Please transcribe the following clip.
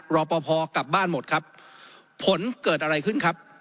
รอปภกลับบ้านหมดครับผลเกิดอะไรขึ้นครับ